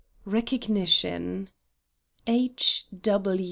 RECOGNITION (H.